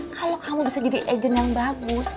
kalau kamu bisa jadi agent yang bagus